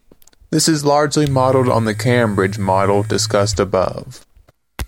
This is largely modelled on the Cambridge model, discussed above.